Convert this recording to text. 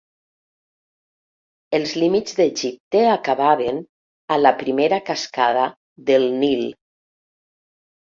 Els límits d'Egipte acabaven a la primera cascada del Nil.